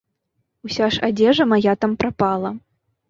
Уся ж адзежа мая там прапала.